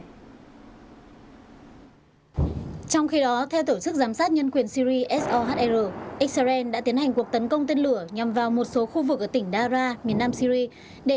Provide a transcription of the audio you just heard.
trong khi đó theo tổ chức giám sát nhân quyền syri sohr israel đã tiến hành cuộc tấn công tên lửa nhằm vào một số khu vực ở tỉnh dara miền nam syri